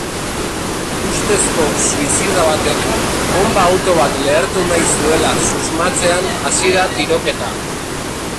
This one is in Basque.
Ustezko suizida batek bonba-auto bat lehertu nahi zuela susmatzean hasi da tiroketa.